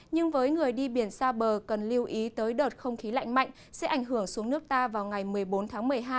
nhưng với người đi biển xa bờ cần lưu ý tới đợt không khí lạnh mạnh sẽ ảnh hưởng xuống nước ta vào ngày một mươi bốn tháng một mươi hai